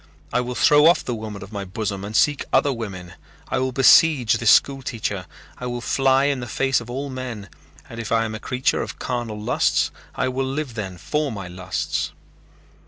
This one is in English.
I will throw off the woman of my bosom and seek other women. I will besiege this school teacher. I will fly in the face of all men and if I am a creature of carnal lusts I will live then for my lusts."